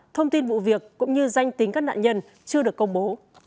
thông tin vụ việc cũng như danh tính các nạn nhân chưa được công bố